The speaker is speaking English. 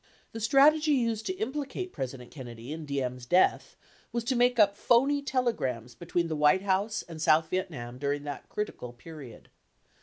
The strategy used to implicate President Kennedy in Diem's death was to make up phony telegrams between the White House and South Vietnam during that critical period.